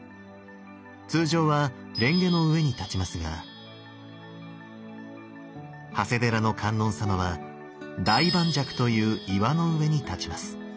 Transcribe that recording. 通常は蓮華の上に立ちますが長谷寺の観音様は大磐石という岩の上に立ちます。